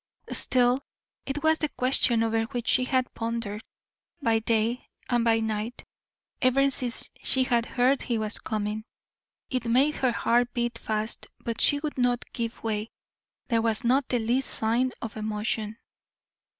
Still it was the question over which she had pondered, by day and by night, ever since she had heard he was coming. It made her heart beat fast, but she would not give way; there was not the least sign of emotion.